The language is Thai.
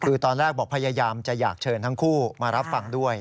คือตอนแรกบอกพยายามจะอยากเชิญทั้งคู่มารับฟังด้วย